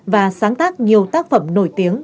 và sáng tác nhiều tác phẩm nổi tiếng